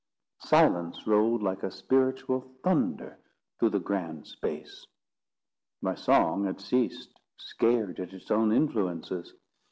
Silence rolled like a spiritual thunder through the grand space. My song had ceased, scared at its own influences.